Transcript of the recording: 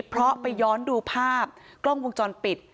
เพราะไปย้อนดูภาพกล้องวงจรปิด